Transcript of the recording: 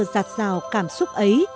giặt rào cảm xúc ấy